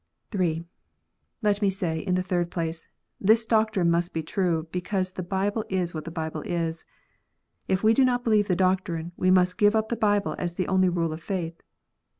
(3) Let me say, in the third place, this doctrine must be true, because the Bible is wlmi the Bible is. If we do not believe the doctrine, we must give up the Bible as the only rule of faith.